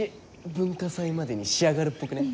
文化祭までに仕上がるっぽくね？